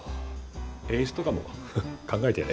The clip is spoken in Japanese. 演出とかも考えてやれ。